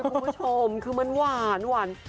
คุณผู้ชมคือมันหวาน